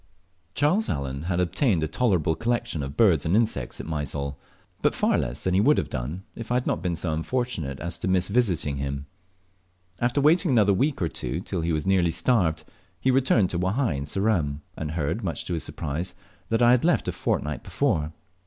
Charles Allen had obtained a tolerable collection of birds and insects at Mysol, but far less than he would have done if I had not been so unfortunate as to miss visiting him. After waiting another week or two till he was nearly starved, he returned to Wahai in Ceram, and heard, much to his surprise, that I had left a fortnight before.